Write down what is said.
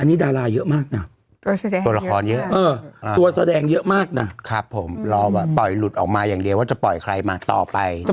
อันนี้ดาราเยอะมากนะตัวละครเยอะตัวแสดงเยอะมากนะครับผมรอแบบปล่อยหลุดออกมาอย่างเดียวว่าจะปล่อยใครมาต่อไป